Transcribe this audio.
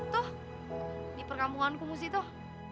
tuh di perkampungan kumusi tuh